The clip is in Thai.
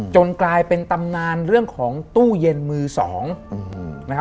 จนกลายเป็นตำนานเรื่องของตู้เย็นมือสอง